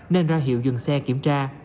nên ra hiệu dừng xe kiểm tra